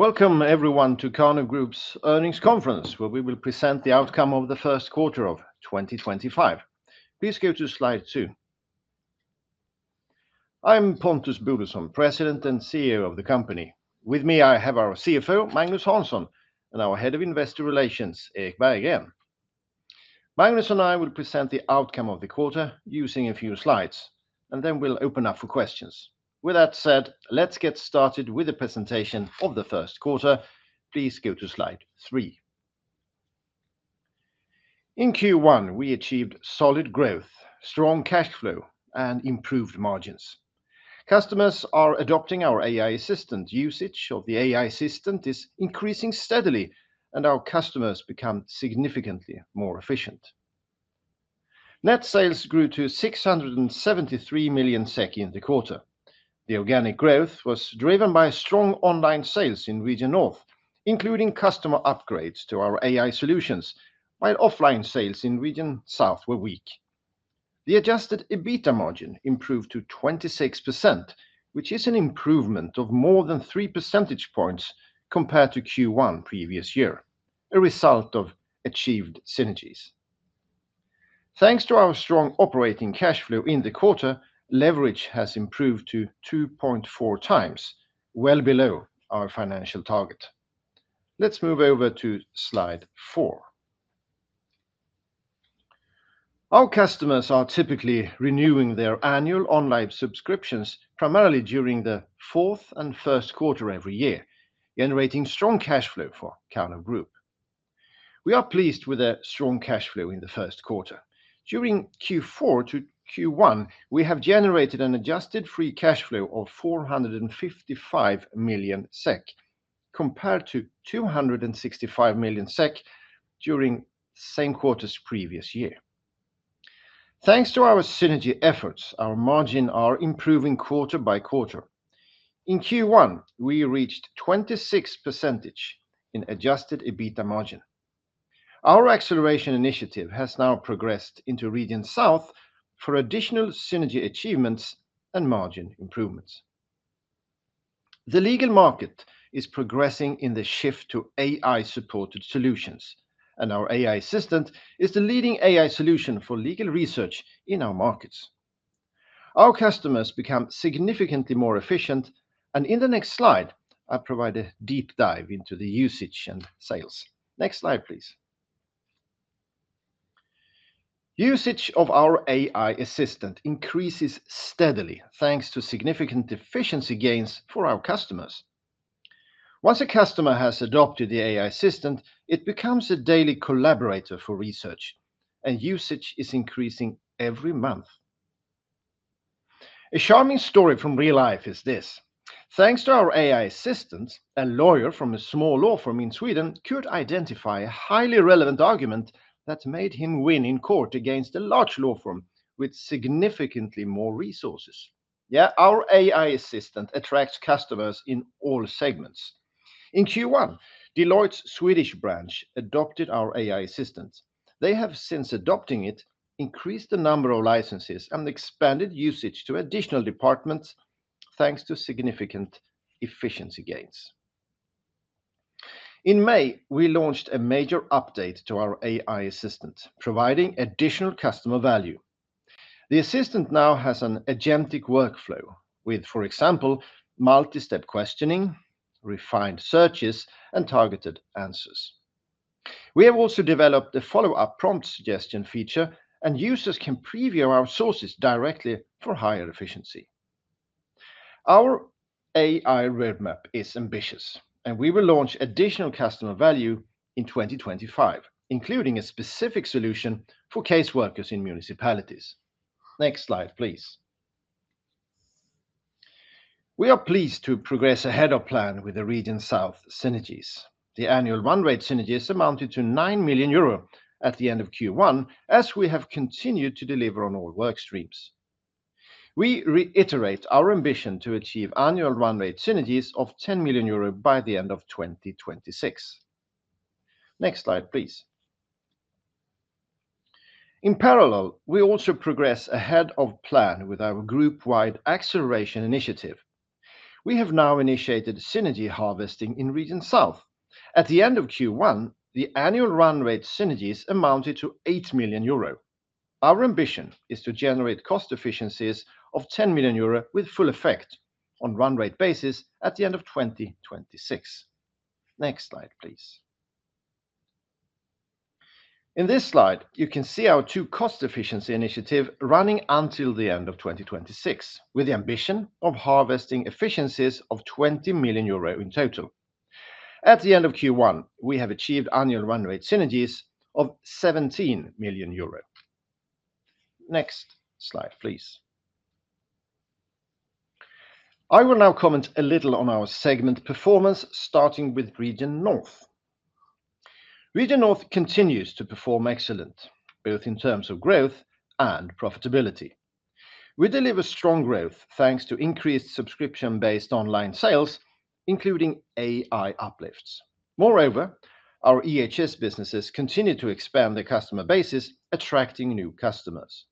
Welcome, everyone, to Karnov Group's earnings conference, where we will present the outcome of the 1st quarter of 2025. Please go to slide two. I'm Pontus Bodelsson, President and CEO of the company. With me, I have our CFO, Magnus Hansson, and our Head of Investor Relations, Erik Berggren. Magnus and I will present the outcome of the quarter using a few slides, and then we'll open up for questions. With that said, let's get started with the presentation of the first quarter. Please go to slide three. In Q1, we achieved solid growth, strong cash flow, and improved margins. Customers are adopting our AI assistant. Usage of the AI assistant is increasing steadily, and our customers become significantly more efficient. Net sales grew to 673 million SEK in the quarter. The organic growth was driven by strong online sales in Region North, including customer upgrades to our AI solutions, while offline sales in Region South were weak. The adjusted EBITDA margin improved to 26%, which is an improvement of more than three percentage points compared to Q1 previous year, a result of achieved synergies. Thanks to our strong operating cash flow in the quarter, leverage has improved to 2.4 times, well below our financial target. Let's move over to slide four. Our customers are typically renewing their annual online subscriptions, primarily during the fourth and 1st quarter every year, generating strong cash flow for Karnov Group. We are pleased with the strong cash flow in the 1st quarter. During Q4 to Q1, we have generated an adjusted free cash flow of 455 million SEK, compared to 265 million SEK during the same quarter's previous year. Thanks to our synergy efforts, our margins are improving quarter-by-quarter. In Q1, we reached 26% in adjusted EBITDA margin. Our acceleration initiative has now progressed into Region South for additional synergy achievements and margin improvements. The legal market is progressing in the shift to AI-supported solutions, and our AI assistant is the leading AI solution for legal research in our markets. Our customers become significantly more efficient, and in the next slide, I provide a deep dive into the usage and sales. Next slide, please. Usage of our AI assistant increases steadily thanks to significant efficiency gains for our customers. Once a customer has adopted the AI assistant, it becomes a daily collaborator for research, and usage is increasing every month. A charming story from real life is this: thanks to our AI assistant, a lawyer from a small law firm in Sweden could identify a highly relevant argument that made him win in court against a large law firm with significantly more resources. Yeah, our AI assistant attracts customers in all segments. In Q1, Deloitte's Swedish branch adopted our AI assistant. They have since adopted it, increased the number of licenses, and expanded usage to additional departments thanks to significant efficiency gains. In May, we launched a major update to our AI assistant, providing additional customer value. The assistant now has an agentic workflow with, for example, multi-step questioning, refined searches, and targeted answers. We have also developed a follow-up prompt suggestion feature, and users can preview our sources directly for higher efficiency. Our AI roadmap is ambitious, and we will launch additional customer value in 2025, including a specific solution for caseworkers in municipalities. Next slide, please. We are pleased to progress ahead of plan with the Region South synergies. The annual run rate synergies amounted to 9 million euro at the end of Q1, as we have continued to deliver on all work streams. We reiterate our ambition to achieve annual run rate synergies of 10 million euro by the end of 2026. Next slide, please. In parallel, we also progress ahead of plan with our group-wide acceleration initiative. We have now initiated synergy harvesting in Region South. At the end of Q1, the annual run rate synergies amounted to 8 million euro. Our ambition is to generate cost efficiencies of 10 million euro with full effect on a run rate basis at the end of 2026. Next slide, please. In this slide, you can see our two cost efficiency initiatives running until the end of 2026, with the ambition of harvesting efficiencies of 20 million euro in total. At the end of Q1, we have achieved annual run rate synergies of 17 million euro. Next slide, please. I will now comment a little on our segment performance, starting with Region North. Region North continues to perform excellent, both in terms of growth and profitability. We deliver strong growth thanks to increased subscription-based online sales, including AI uplifts. Moreover, our EHS businesses continue to expand their customer bases, attracting new customers.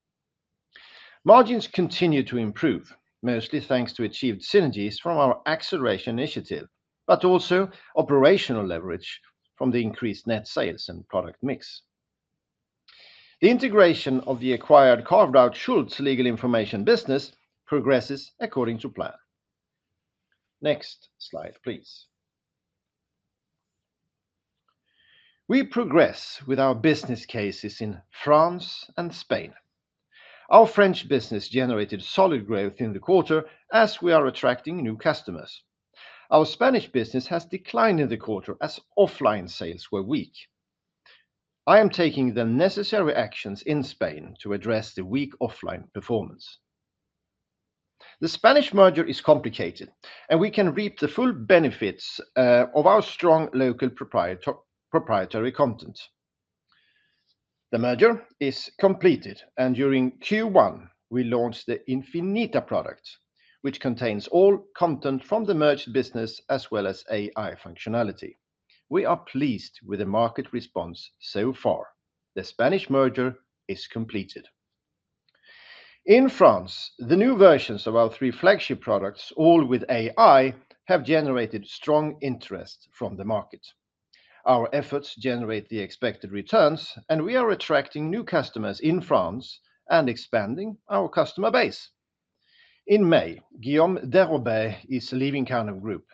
Margins continue to improve, mostly thanks to achieved synergies from our acceleration initiative, but also operational leverage from the increased net sales and product mix. The integration of the acquired Schultz legal information business progresses according to plan. Next slide, please. We progress with our business cases in France and Spain. Our French business generated solid growth in the quarter as we are attracting new customers. Our Spanish business has declined in the quarter as offline sales were weak. I am taking the necessary actions in Spain to address the weak offline performance. The Spanish merger is complicated, and we can reap the full benefits of our strong local proprietary content. The merger is completed, and during Q1, we launched the Infinita product, which contains all content from the merged business as well as AI functionality. We are pleased with the market response so far. The Spanish merger is completed. In France, the new versions of our three flagship products, all with AI, have generated strong interest from the market. Our efforts generate the expected returns, and we are attracting new customers in France and expanding our customer base. In May, Guillaume Deroubaix is leaving Karnov Group.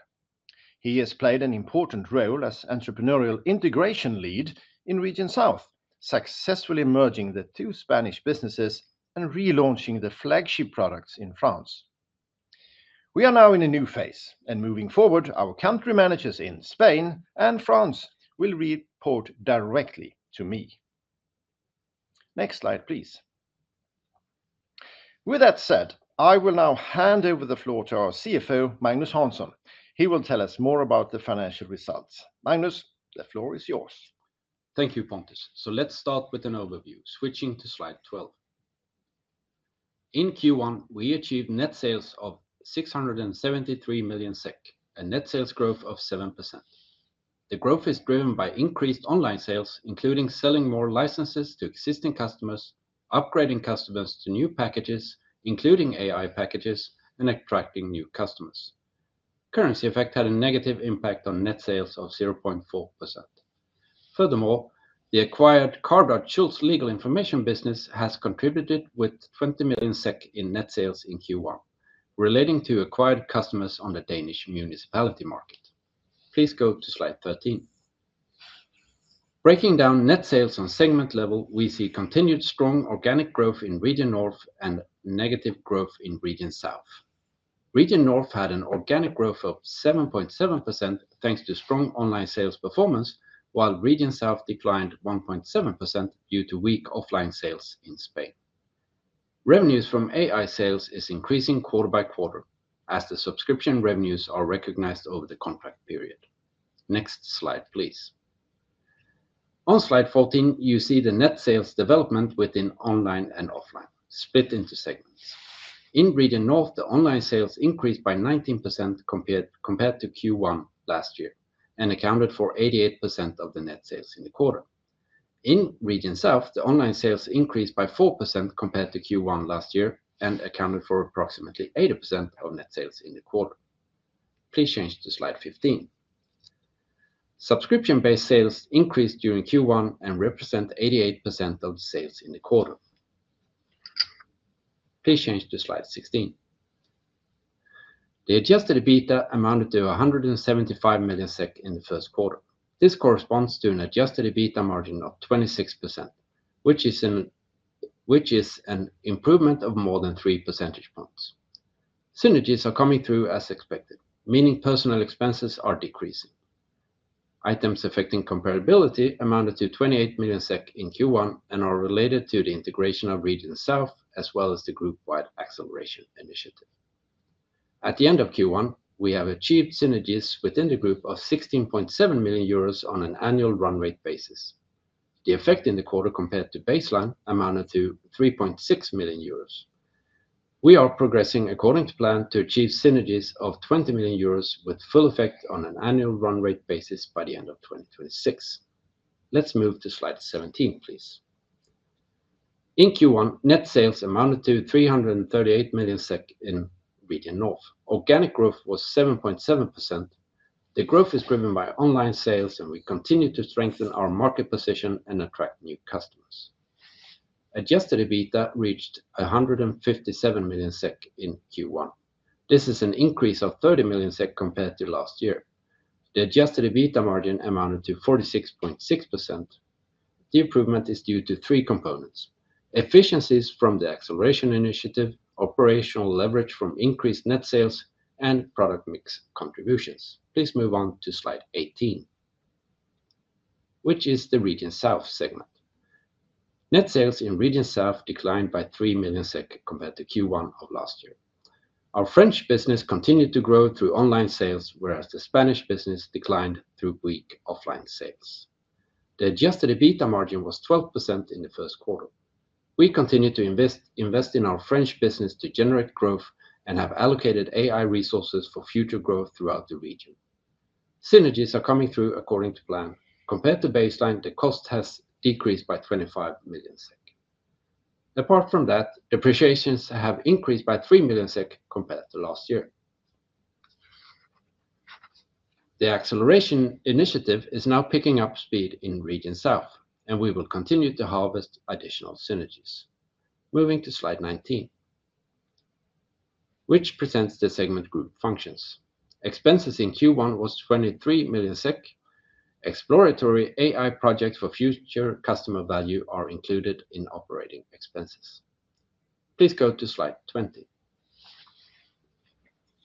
He has played an important role as entrepreneurial integration lead in Region South, successfully merging the two Spanish businesses and relaunching the flagship products in France. We are now in a new phase, and moving forward, our country managers in Spain and France will report directly to me. Next slide, please. With that said, I will now hand over the floor to our CFO, Magnus Hansson. He will tell us more about the financial results. Magnus, the floor is yours. Thank you, Pontus. Let's start with an overview, switching to slide 12. In Q1, we achieved net sales of 673 million SEK and net sales growth of 7%. The growth is driven by increased online sales, including selling more licenses to existing customers, upgrading customers to new packages, including AI packages, and attracting new customers. Currency effect had a negative impact on net sales of 0.4%. Furthermore, the acquired Schultz legal information business has contributed with 20 million SEK in net sales in Q1, relating to acquired customers on the Danish municipality market. Please go to slide 13. Breaking down net sales on segment level, we see continued strong organic growth in Region North and negative growth in Region South. Region North had an organic growth of 7.7% thanks to strong online sales performance, while Region South declined 1.7% due to weak offline sales in Spain. Revenues from AI sales are increasing quarter-by-quarter as the subscription revenues are recognized over the contract period. Next slide, please. On slide 14, you see the net sales development within online and offline, split into segments. In Region North, the online sales increased by 19% compared to Q1 last year and accounted for 88% of the net sales in the quarter. In Region South, the online sales increased by 4% compared to Q1 last year and accounted for approximately 80% of net sales in the quarter. Please change to slide 15. Subscription-based sales increased during Q1 and represent 88% of the sales in the quarter. Please change to slide 16. The adjusted EBITDA amounted to 175 million SEK in the 1st quarter. This corresponds to an adjusted EBITDA margin of 26%, which is an improvement of more than three percentage points. Synergies are coming through as expected, meaning personnel expenses are decreasing. Items affecting comparability amounted to 28 million SEK in Q1 and are related to the integration of Region South as well as the group-wide acceleration initiative. At the end of Q1, we have achieved synergies within the group of 16.7 million euros on an annual run rate basis. The effect in the quarter compared to baseline amounted to 3.6 million euros. We are progressing according to plan to achieve synergies of 20 million euros with full effect on an annual run rate basis by the end of 2026. Let's move to slide 17, please. In Q1, net sales amounted to 338 million SEK in Region North. Organic growth was 7.7%. The growth is driven by online sales, and we continue to strengthen our market position and attract new customers. Adjusted EBITDA reached 157 million SEK in Q1. This is an increase of 30 million SEK compared to last year. The adjusted EBITDA margin amounted to 46.6%. The improvement is due to three components: efficiencies from the acceleration initiative, operational leverage from increased net sales, and product mix contributions. Please move on to slide 18, which is the Region South segment. Net sales in Region South declined by 3 million SEK compared to Q1 of last year. Our French business continued to grow through online sales, whereas the Spanish business declined through weak offline sales. The adjusted EBITDA margin was 12% in the 1st quarter. We continue to invest in our French business to generate growth and have allocated AI resources for future growth throughout the region. Synergies are coming through according to plan. Compared to baseline, the cost has decreased by EUR 25 million. Apart from that, depreciations have increased by 3 million SEK compared to last year. The acceleration initiative is now picking up speed in Region South, and we will continue to harvest additional synergies. Moving to slide 19, which presents the segment group functions. Expenses in Q1 were 23 million SEK. Exploratory AI projects for future customer value are included in operating expenses. Please go to slide 20.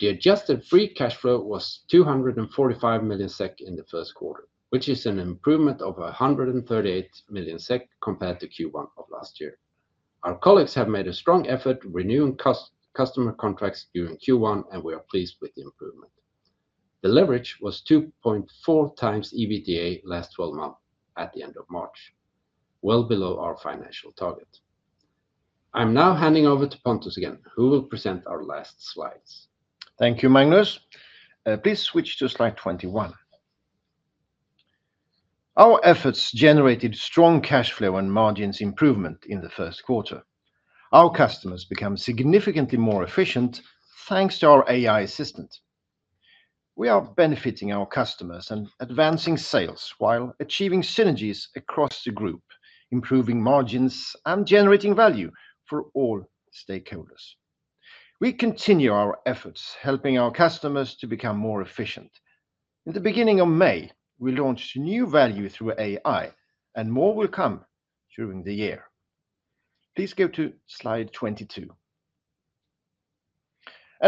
The adjusted free cash flow was 245 million SEK in the 1st quarter, which is an improvement of 138 million SEK compared to Q1 of last year. Our colleagues have made a strong effort renewing customer contracts during Q1, and we are pleased with the improvement. The leverage was 2.4 times EBITDA last 12 months at the end of March, well below our financial target. I'm now handing over to Pontus again, who will present our last slides. Thank you, Magnus. Please switch to slide 21. Our efforts generated strong cash flow and margins improvement in the 1st quarter. Our customers became significantly more efficient thanks to our AI assistant. We are benefiting our customers and advancing sales while achieving synergies across the group, improving margins, and generating value for all stakeholders. We continue our efforts, helping our customers to become more efficient. In the beginning of May, we launched new value through AI, and more will come during the year. Please go to slide 22.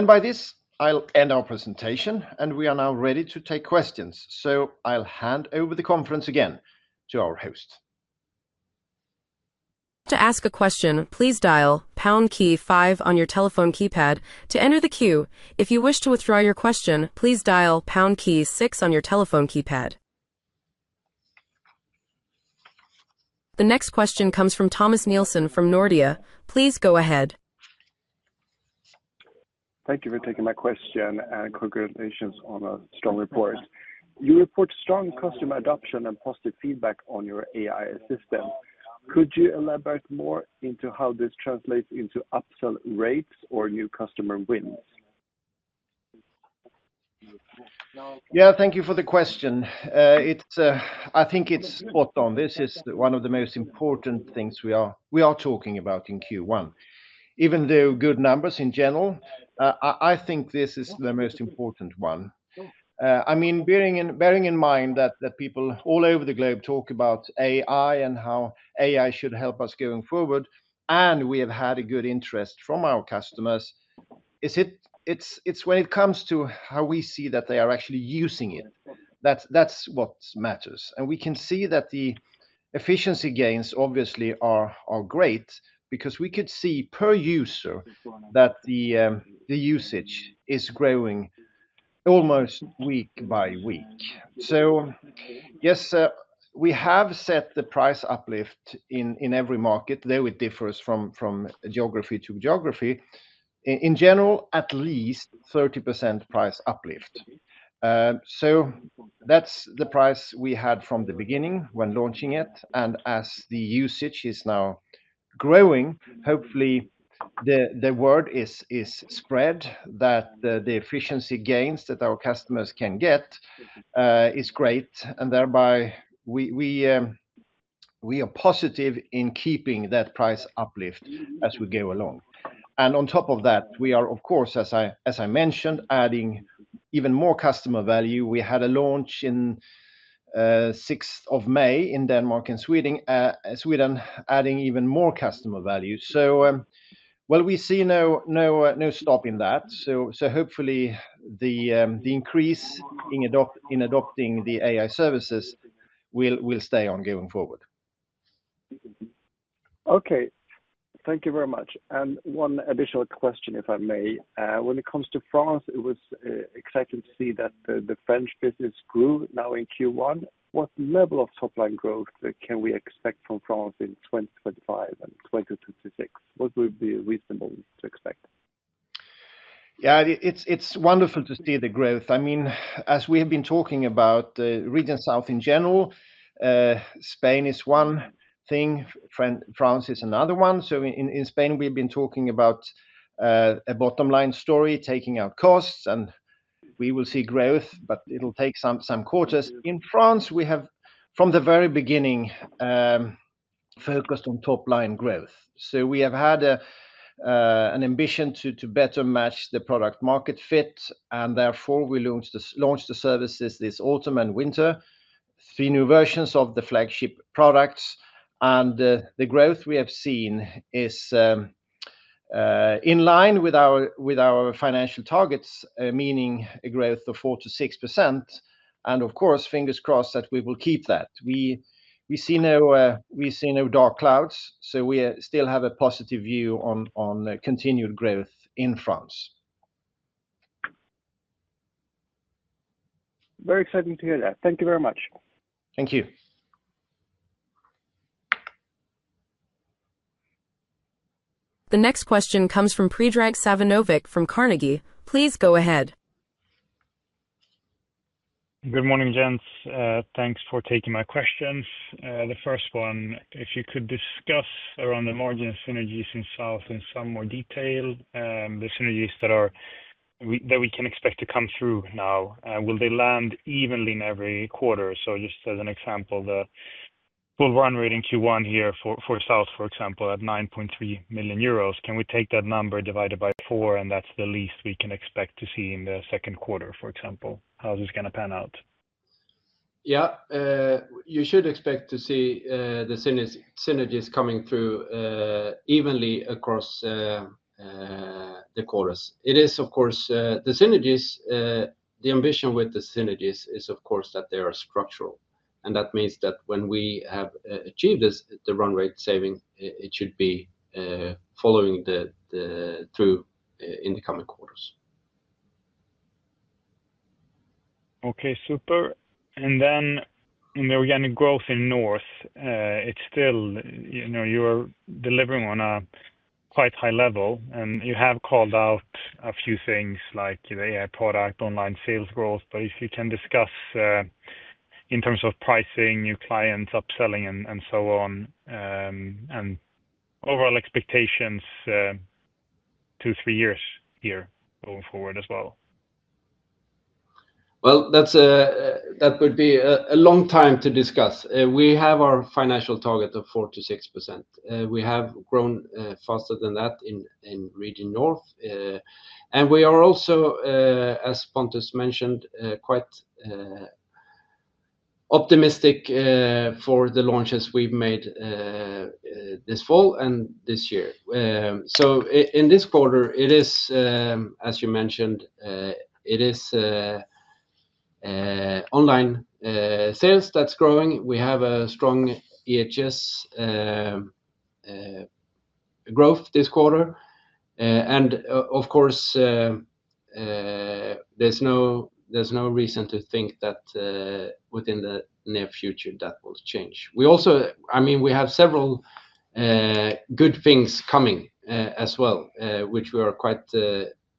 By this, I'll end our presentation, and we are now ready to take questions, so I'll hand over the conference again to our host. To ask a question, please dial pound key five on your telephone keypad to enter the queue. If you wish to withdraw your question, please dial pound key six on your telephone keypad. The next question comes from Thomas Nielsen from Nordea. Please go ahead. Thank you for taking my question and congratulations on a strong report. You report strong customer adoption and positive feedback on your AI assistant. Could you elaborate more into how this translates into upsell rates or new customer wins? Yeah, thank you for the question. I think it's spot on. This is one of the most important things we are talking about in Q1. Even though good numbers in general, I think this is the most important one. I mean, bearing in mind that people all over the globe talk about AI and how AI should help us going forward, and we have had a good interest from our customers, it's when it comes to how we see that they are actually using it that's what matters. We can see that the efficiency gains obviously are great because we could see per user that the usage is growing almost week-by-week. Yes, we have set the price uplift in every market, though it differs from geography to geography. In general, at least 30% price uplift. That is the price we had from the beginning when launching it. As the usage is now growing, hopefully the word is spread that the efficiency gains that our customers can get is great. Thereby, we are positive in keeping that price uplift as we go along. On top of that, we are, of course, as I mentioned, adding even more customer value. We had a launch on the 6th of May in Denmark and Sweden, adding even more customer value. We see no stop in that. Hopefully the increase in adopting the AI services will stay on going forward. Okay. Thank you very much. One additional question, if I may. When it comes to France, it was exciting to see that the French business grew now in Q1. What level of top-line growth can we expect from France in 2025 and 2026? What would be reasonable to expect? Yeah, it's wonderful to see the growth. I mean, as we have been talking about Region South in general, Spain is one thing. France is another one. In Spain, we've been talking about a bottom-line story, taking out costs, and we will see growth, but it'll take some quarters. In France, we have, from the very beginning, focused on top-line growth. We have had an ambition to better match the product-market fit, and therefore we launched the services this autumn and winter, three new versions of the flagship products. The growth we have seen is in line with our financial targets, meaning a growth of 4%-6%. Of course, fingers crossed that we will keep that. We see no dark clouds, so we still have a positive view on continued growth in France. Very exciting to hear that. Thank you very much. Thank you. The next question comes from Predrag Savinovic from Carnegie. Please go ahead. Good morning, gents. Thanks for taking my questions. The first one, if you could discuss around the margin synergies in South in some more detail, the synergies that we can expect to come through now, will they land evenly in every quarter? Just as an example, the full-run rate in Q1 here for South, for example, at 9.3 million euros. Can we take that number, divide it by four, and that is the least we can expect to see in the 2nd quarter, for example? How is this going to pan out? Yeah, you should expect to see the synergies coming through evenly across the quarters. It is, of course, the synergies, the ambition with the synergies is, of course, that they are structural. That means that when we have achieved the run rate saving, it should be following through in the coming quarters. Okay, super. In the organic growth in North, it's still, you know, you're delivering on a quite high level, and you have called out a few things like the AI product, online sales growth, but if you can discuss in terms of pricing, new clients, upselling, and so on, and overall expectations two, three years here going forward as well. That would be a long time to discuss. We have our financial target of 4%-6%. We have grown faster than that in Region North. We are also, as Pontus mentioned, quite optimistic for the launches we have made this fall and this year. In this quarter, it is, as you mentioned, it is online sales that is growing. We have a strong EHS growth this quarter. Of course, there is no reason to think that within the near future that will change. We also, I mean, we have several good things coming as well, which we are quite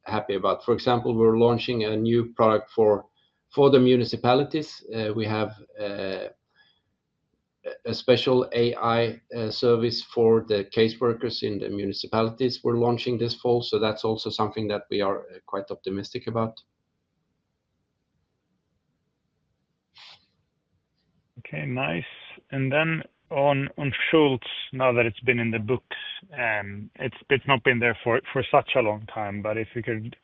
happy about. For example, we are launching a new product for the municipalities. We have a special AI service for the caseworkers in the municipalities we are launching this fall. That is also something that we are quite optimistic about. Okay, nice. On Schultz, now that it's been in the books, it's not been there for such a long time, but if you could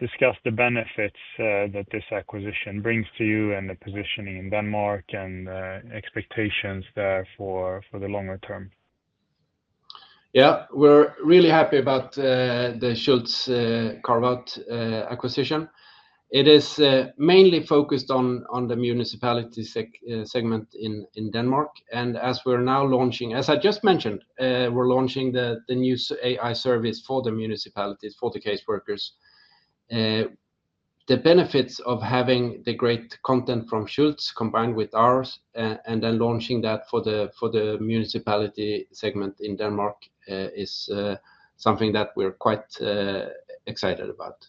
discuss the benefits that this acquisition brings to you and the positioning in Denmark and expectations there for the longer term. Yeah, we're really happy about the Schultz acquisition. It is mainly focused on the municipality segment in Denmark. As we're now launching, as I just mentioned, we're launching the new AI service for the municipalities, for the caseworkers. The benefits of having the great content from Schultz combined with ours and then launching that for the municipality segment in Denmark is something that we're quite excited about.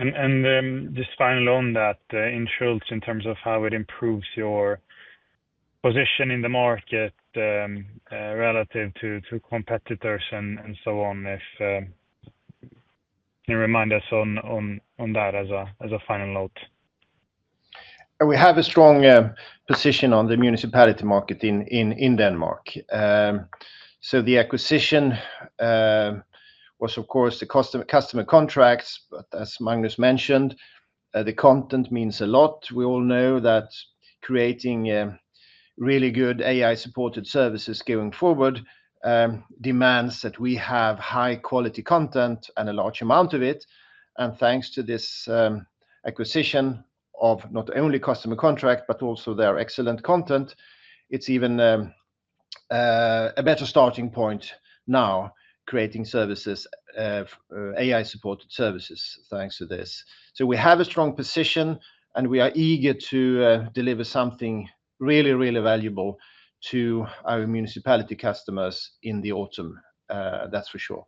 Just finally on that, in Schultz, in terms of how it improves your position in the market relative to competitors and so on, if you can remind us on that as a final note. We have a strong position on the municipality market in Denmark. The acquisition was, of course, the customer contracts, but as Magnus mentioned, the content means a lot. We all know that creating really good AI-supported services going forward demands that we have high-quality content and a large amount of it. Thanks to this acquisition of not only customer contracts, but also their excellent content, it is even a better starting point now creating services, AI-supported services, thanks to this. We have a strong position, and we are eager to deliver something really, really valuable to our municipality customers in the autumn. That is for sure.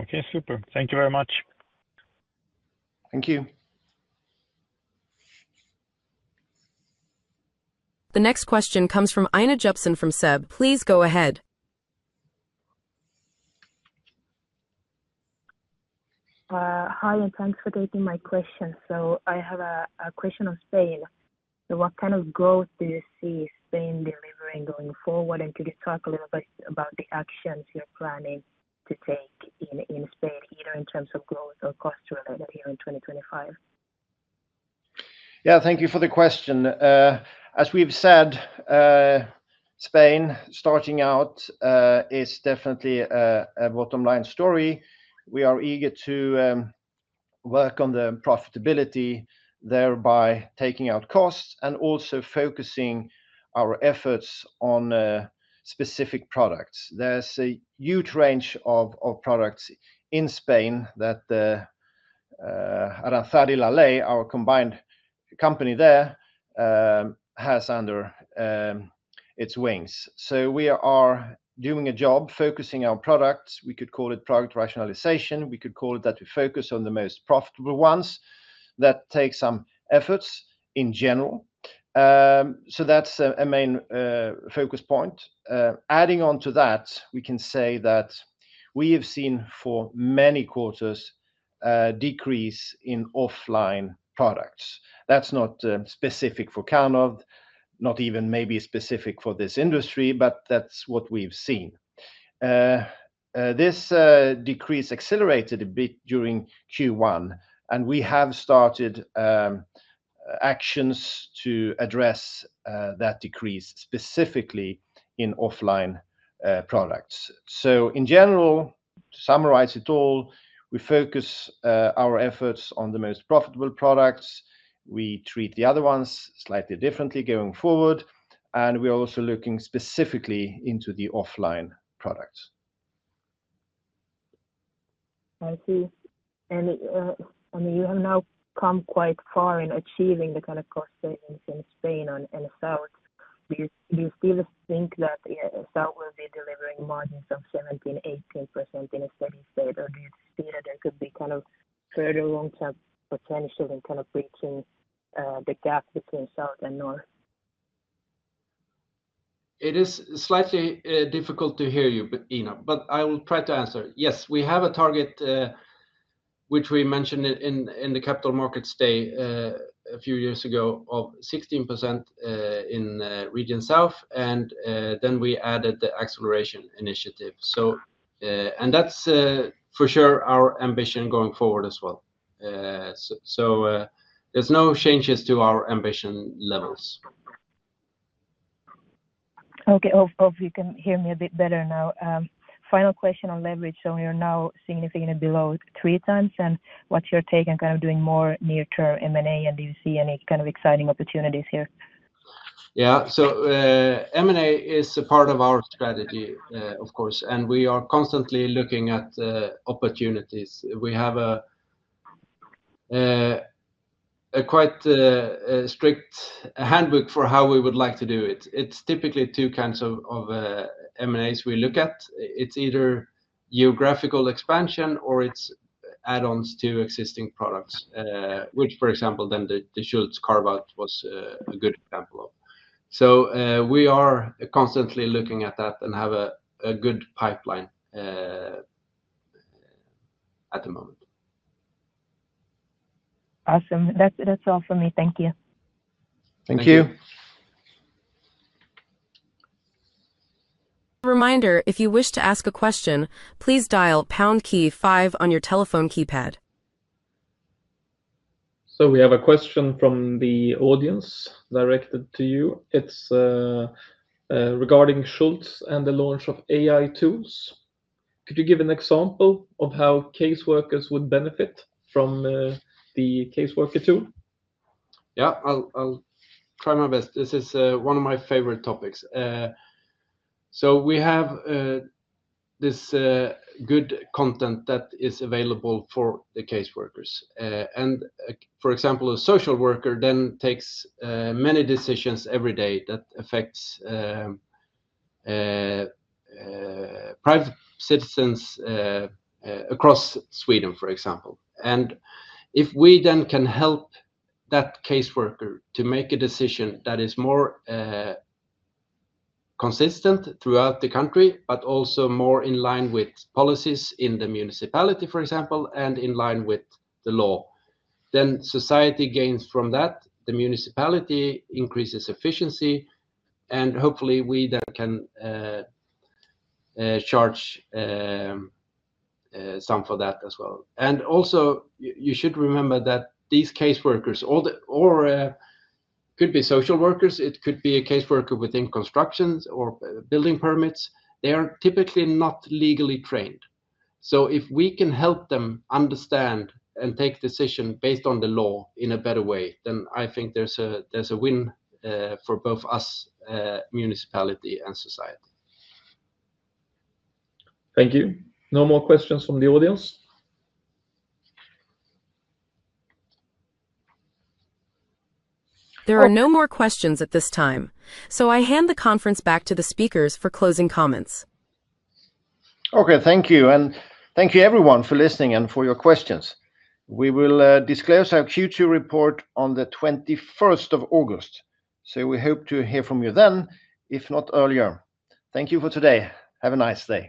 Okay, super. Thank you very much. Thank you. The next question comes from Ina Jepsen from SEB. Please go ahead. Hi, and thanks for taking my question. I have a question on Spain. What kind of growth do you see Spain delivering going forward? Could you talk a little bit about the actions you're planning to take in Spain, either in terms of growth or cost-related here in 2025? Yeah, thank you for the question. As we've said, Spain starting out is definitely a bottom-line story. We are eager to work on the profitability, thereby taking out costs and also focusing our efforts on specific products. There's a huge range of products in Spain that Aranzadi La Ley, our combined company there, has under its wings. We are doing a job focusing our products. We could call it product rationalization. We could call it that we focus on the most profitable ones. That takes some efforts in general. That is a main focus point. Adding on to that, we can say that we have seen for many quarters a decrease in offline products. That is not specific for Karnov, not even maybe specific for this industry, but that is what we've seen. This decrease accelerated a bit during Q1, and we have started actions to address that decrease specifically in offline products. In general, to summarize it all, we focus our efforts on the most profitable products. We treat the other ones slightly differently going forward, and we're also looking specifically into the offline products. Thank you. I mean, you have now come quite far in achieving the kind of cost savings in Spain and South. Do you still think that South will be delivering margins of 17%-18% in a steady state, or do you see that there could be kind of further long-term potential in kind of reaching the gap between South and North? It is slightly difficult to hear you, Ina, but I will try to answer. Yes, we have a target, which we mentioned in the capital markets day a few years ago, of 16% in Region South, and then we added the acceleration initiative. That is for sure our ambition going forward as well. There are no changes to our ambition levels. Okay, hopefully you can hear me a bit better now. Final question on leverage. We are now significantly below three times, and what's your take on kind of doing more near-term M&A, and do you see any kind of exciting opportunities here? Yeah, so M&A is a part of our strategy, of course, and we are constantly looking at opportunities. We have a quite strict handbook for how we would like to do it. It's typically two kinds of M&As we look at. It's either geographical expansion or it's add-ons to existing products, which, for example, then the Schultz carve-out was a good example of. So we are constantly looking at that and have a good pipeline at the moment. Awesome. That's all for me. Thank you. Thank you. Reminder, if you wish to ask a question, please dial #5 on your telephone keypad. We have a question from the audience directed to you. It's regarding Schultz and the launch of AI tools. Could you give an example of how caseworkers would benefit from the caseworker tool? Yeah, I'll try my best. This is one of my favorite topics. We have this good content that is available for the caseworkers. For example, a social worker then takes many decisions every day that affects private citizens across Sweden, for example. If we then can help that caseworker to make a decision that is more consistent throughout the country, but also more in line with policies in the municipality, for example, and in line with the law, then society gains from that. The municipality increases efficiency, and hopefully we then can charge some for that as well. Also, you should remember that these caseworkers, or it could be social workers, it could be a caseworker within construction or building permits, they are typically not legally trained. If we can help them understand and take decisions based on the law in a better way, then I think there's a win for both us, municipality and society. Thank you. No more questions from the audience? There are no more questions at this time. So I hand the conference back to the speakers for closing comments. Okay, thank you. Thank you everyone for listening and for your questions. We will disclose our Q2 report on the 21st of August. We hope to hear from you then, if not earlier. Thank you for today. Have a nice day.